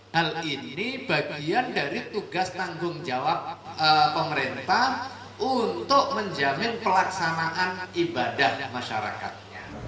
hal ini bagian dari tugas tanggung jawab pemerintah untuk menjamin pelaksanaan ibadah masyarakat